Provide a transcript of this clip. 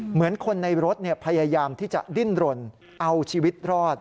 เหมือนคนในรถพยายามที่จะดิ้นรนเอาชีวิตรอด